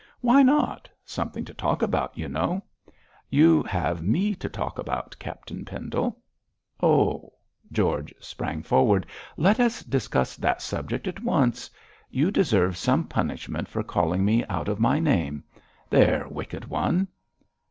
'Why not? Something to talk about, you know.' 'You have me to talk about, Captain Pendle.' 'Oh!' George sprang forward. 'Let us discuss that subject at once. You deserve some punishment for calling me out of my name. There, wicked one!'